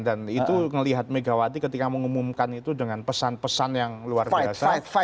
dan itu melihat megawati ketika mengumumkan itu dengan pesan pesan yang luar biasa